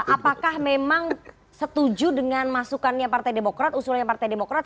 apakah memang setuju dengan masukannya partai demokrat usulannya partai demokrat